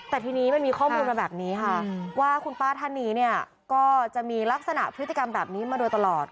แต่ทีนี้มันมีข้อมูลมาแบบนี้ค่ะว่าคุณป้าท่านนี้เนี่ยก็จะมีลักษณะพฤติกรรมแบบนี้มาโดยตลอด